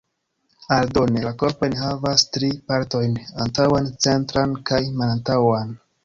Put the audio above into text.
Aldone, la korpo enhavas tri partojn: antaŭan, centran kaj malantaŭan.